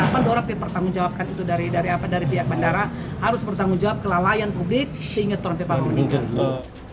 pasti pertanggungjawabkan itu dari pihak bandara harus bertanggungjawab ke lalayan publik sehingga turun pipa menunggang